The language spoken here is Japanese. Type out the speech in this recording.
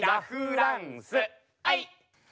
フランスはい！」